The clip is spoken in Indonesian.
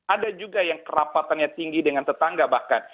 ada juga yang kerapatannya tinggi dengan tetangga bahkan